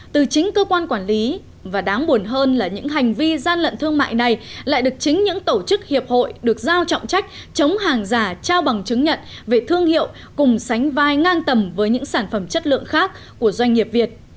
từ chính cơ quan quản lý và đáng buồn hơn là những hành vi gian lận thương mại này lại được chính những tổ chức hiệp hội được giao trọng trách chống hàng giả trao bằng chứng nhận về thương hiệu cùng sánh vai ngang tầm với những sản phẩm chất lượng khác của doanh nghiệp việt